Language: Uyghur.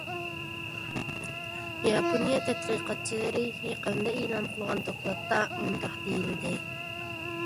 ياپونىيە تەتقىقاتچىلىرى يېقىندا ئېلان قىلغان دوكلاتتا مۇنداق دېيىلدى.